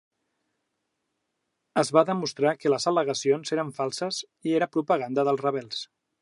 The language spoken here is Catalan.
Es va demostrar que les al·legacions eren falses i era propaganda dels rebels.